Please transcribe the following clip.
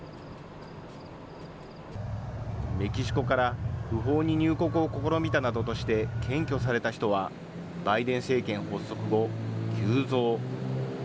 メキシコから不法に入国を試みたなどとして検挙された人は、バイデン政権発足後、急増。